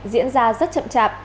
diễn ra rất chậm chạp